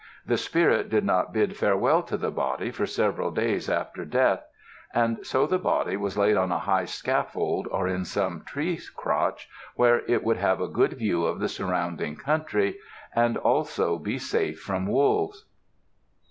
The spirit did not bid farewell to the body for several days after death, and so the body was laid on a high scaffold or in some tree crotch where it would have a good view of the surrounding country, and also be safe from wolves.